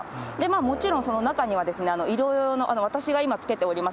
もちろんその中には医療用の私が今着けております